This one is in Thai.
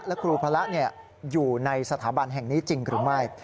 และครูพระอยู่ในสถาบันแห่งนี้จริงหรือไม่